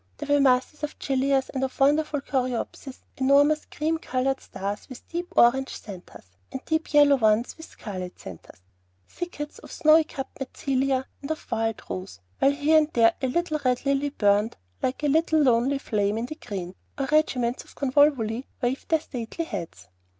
There were masses of gillias, and of wonderful coreopsis, enormous cream colored stars with deep orange centres, and deep yellow ones with scarlet centres; thickets of snowy cupped mentzelia and of wild rose; while here and there a tall red lily burned like a little lonely flame in the green, or regiments of convolvuli waved their stately heads.